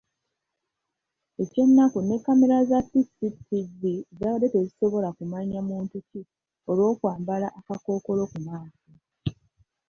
Ekyennaku ne kamera za CCTV zaabadde tezisobola kumanya muntu ki olw'okwambala akakookolo ku maaso.